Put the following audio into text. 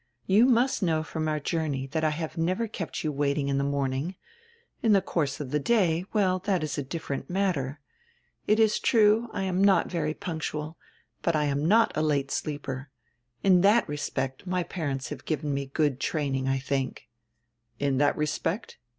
"You must know from our journey that I have never kept you waiting in die morn ing. In die course of die day — well, that is a different matter. It is true, I am not very punctual, but I am not a late sleeper. In that respect my parents have given me good training, I diink." "In diat respect?